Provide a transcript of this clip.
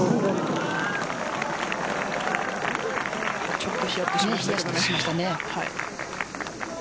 ちょっとひやっとしましたね。